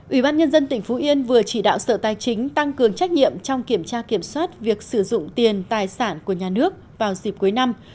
ủy ban nhân dân tỉnh phú yên vừa chỉ đạo sở tài chính tăng cường trách nhiệm trong kiểm tra kiểm soát việc sử dụng tiền tài sản của nhà nước vào dịp cuối năm